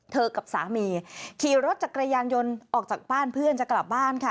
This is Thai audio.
กับสามีขี่รถจักรยานยนต์ออกจากบ้านเพื่อนจะกลับบ้านค่ะ